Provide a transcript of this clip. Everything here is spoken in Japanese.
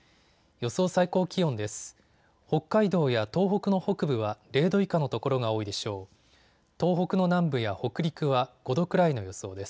予想最高気温です。